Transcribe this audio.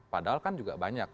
padahal kan juga banyak